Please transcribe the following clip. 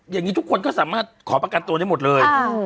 อย่างนี้ทุกคนก็สามารถขอประกันตัวได้หมดเลย